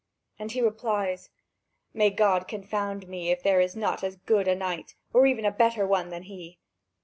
And he replies: "May God confound me, if there is not as good a knight, or even a better one than he!"